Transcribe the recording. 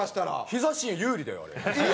ヒザ神有利だよあれ。